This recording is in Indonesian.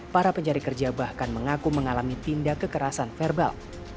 para pencari kerja bahkan mengaku mengalami tindak kekerasan verbal